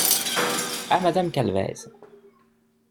À Madame Calvez.